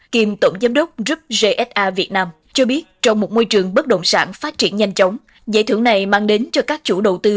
kiêm tổng giám đốc rubgsa việt nam cho biết trong một môi trường bất động sản phát triển nhanh chóng giải thưởng này mang đến cho các chủ đầu tư